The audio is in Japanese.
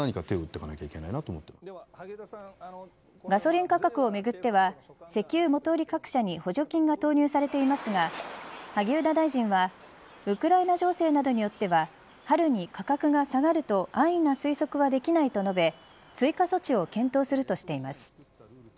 ガソリン価格をめぐっては石油元売り各社に補助金が投入されていますが萩生田大臣はウクライナ情勢などによっては春に価格が下がると安易な推測はできないと述べ追加措置を検討するとしています。